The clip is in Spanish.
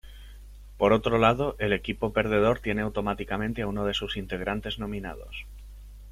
Por otro lado el equipo perdedor tiene automáticamente a uno de sus integrantes nominados.